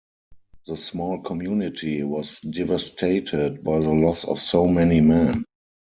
The small community was devastated by the loss of so many men.